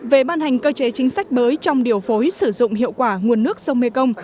về ban hành cơ chế chính sách mới trong điều phối sử dụng hiệu quả nguồn nước sông mekong